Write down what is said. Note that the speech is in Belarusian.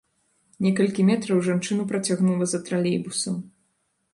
Некалькі метраў жанчыну працягнула за тралейбусам.